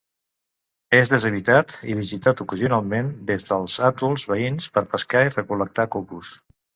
És deshabitat i visitat ocasionalment des dels atols veïns per pescar i recol·lectar cocos.